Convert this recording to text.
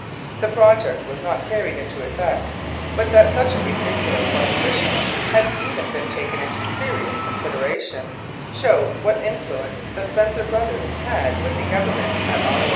The project was not carried into effect, but that such a ridiculous proposition had even been taken into serious consideration shows what influence the Spencer Brothers had with the Government at Ottawa.